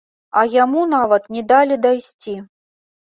А яму нават не далі дайсці.